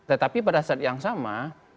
tetapi pada saat yang sama